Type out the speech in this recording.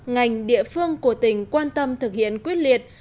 ngành địa phương của tỉnh quan tâm thực hiện quyết liệt